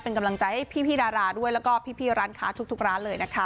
เป็นกำลังใจให้พี่ดาราด้วยแล้วก็พี่ร้านค้าทุกร้านเลยนะคะ